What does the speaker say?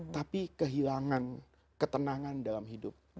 tapi kehilangan ketenangan dalam hidup